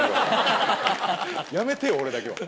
やめて俺だけは。